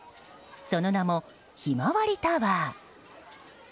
その名も、ひまわりタワー。